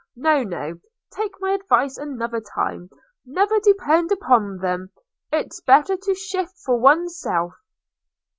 – No, no: take my advice another time – never depend upon them; 'tis better to shift for one's self.'